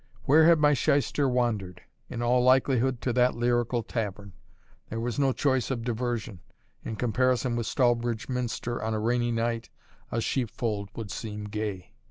Where had my Shyster wandered? In all likelihood to that lyrical tavern; there was no choice of diversion; in comparison with Stallbridge Minster on a rainy night, a sheepfold would seem gay.